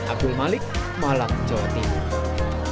abdul malik malang jawa timur